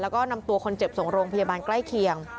แล้วก็นำตัวคนเจ็บส่งโรงพยาบาลใกล้เคียง